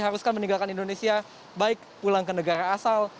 mereka akan meninggalkan indonesia baik pulang ke negara asal